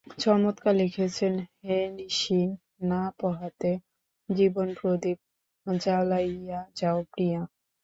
চমৎকার লিখেছে হে– নিশি না পোহাতে জীবনপ্রদীপ জ্বালাইয়া যাও প্রিয়া!